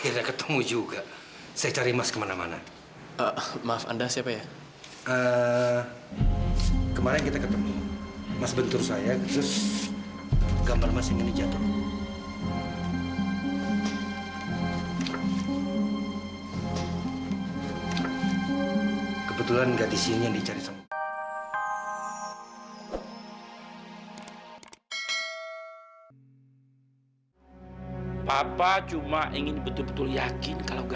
sampai jumpa di video selanjutnya